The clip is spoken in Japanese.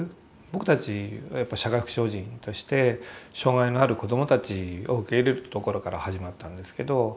僕たちはやっぱり社会福祉法人として障害のある子どもたちを受け入れるところから始まったんですけど。